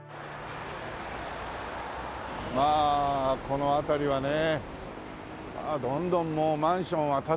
まあこの辺りはねどんどんもうマンションは建つし。